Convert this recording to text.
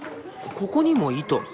ここにも糸。